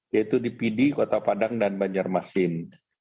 yaitu di pidi kota padang dan banjarmasin